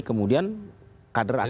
kemudian kader akan lari